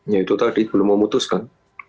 ya itu tadi belum memutuskan